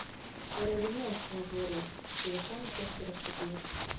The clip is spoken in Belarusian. Я разумеў, што натварыў, што закон усё ж пераступіў.